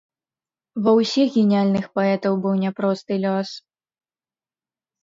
Ва ўсіх геніяльных паэтаў быў няпросты лёс.